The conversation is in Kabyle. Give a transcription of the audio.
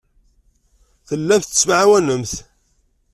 Tellamt tettemɛawanemt.